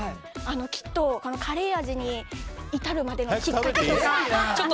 きっとカレー味に至るまでのきっかけが。